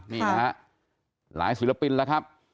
หลายศิลปินแล้วครับ